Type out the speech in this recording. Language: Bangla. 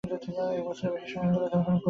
এক বছরেরও বেশি হয়ে গেল তার কোন খোঁজ নেই।